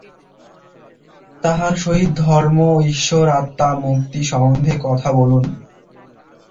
তাহার সহিত ধর্ম, ঈশ্বর, আত্মা, মুক্তি-সম্বন্ধে কথা বলুন।